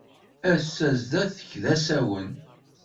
Ass-a zdat-k d asawen.